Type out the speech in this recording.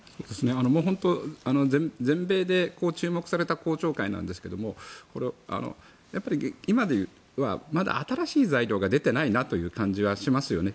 本当、全米で注目された公聴会なんですがやっぱり、今はまだ新しい材料が出ていないなという感じはしますよね。